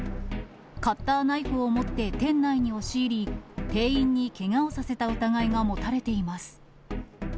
カッターナイフを持って店内に押し入り、店員にけがをさせた疑いが持たれています。